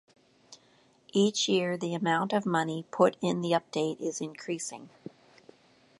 Each year the amount of money put in the update is increasing.